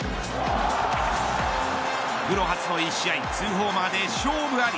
プロ初の１試合２ホーマーで勝負あり。